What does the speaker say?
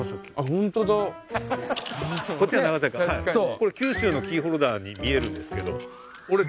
これ九州のキーホルダーに見えるんですけど。